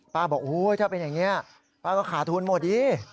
บอกถ้าเป็นอย่างนี้ป้าก็ขาดทุนหมดดิ